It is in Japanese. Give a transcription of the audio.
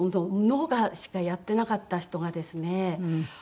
農家しかやっていなかった人がですね。